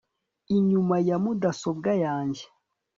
inyuma ya mudasobwa yanjye